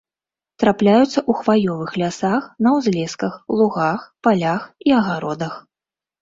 Трапляюцца ў хваёвых лясах, на ўзлесках, лугах, палях і агародах.